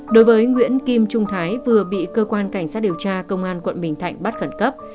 đối với nguyễn kim trung thái vừa bị cơ quan cảnh sát điều tra công an quận bình thạnh bắt khẩn cấp